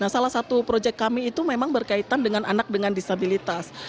nah salah satu proyek kami itu memang berkaitan dengan anak dengan disabilitas